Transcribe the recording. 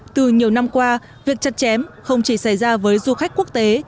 từ nhiều năm qua việc chặt chém không chỉ xảy ra với du khách quốc tế